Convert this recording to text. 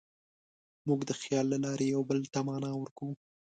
موږ د خیال له لارې یوه بل ته معنی ورکوو.